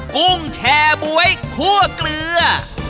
กุ้งแชร์บ๊วยคั่วเกลือ